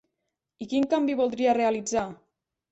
I quin canvi voldria realitzar?